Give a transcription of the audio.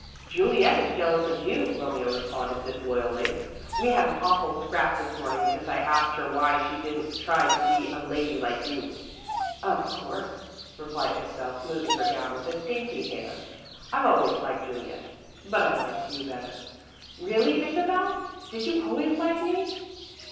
"Juliet is jealous of you," Romeo responded disloyally. "We had an awful scrap this morning because I asked her why she didn't try to be a lady, like you." "Of course," replied Isabel, smoothing her gown with a dainty hand, "I've always liked Juliet, but I liked you better." "Really, Isabel? Did you always like me?"